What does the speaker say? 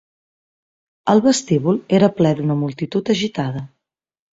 El vestíbul era ple d'una multitud agitada